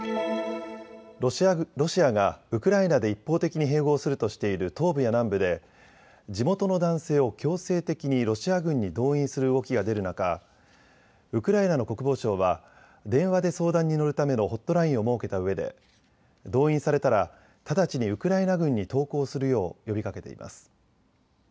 ロシアがウクライナで一方的に併合するとしている東部や南部で地元の男性を強制的にロシア軍に動員する動きが出る中、ウクライナの国防省は電話で相談に乗るためのホットラインを設けたうえで動員されたら直ちにウクライナ軍に投降するよう呼びかけています。